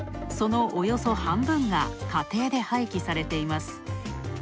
そのおよそ半分が家庭で廃棄されています。